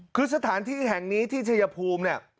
คือสถานที่แห่งนี้ที่ชายภูมิเนี่ย